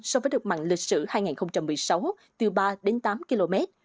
so với đợt mặn lịch sử hai nghìn một mươi sáu từ ba đến tám km